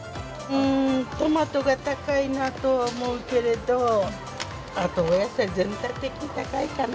トマトが高いなとは思うけれど、あとお野菜、全体的に高いかな。